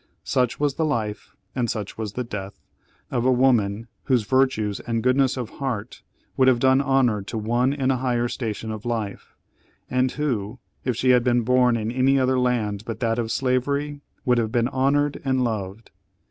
Such was the life and such the death of a woman whose virtues and goodness of heart would have done honour to one in a higher station of life, and who, if she had been born in any other land but that of slavery, would have been honoured and loved.